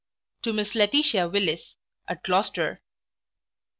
To Miss LAETITIA WILLIS, at Gloucester.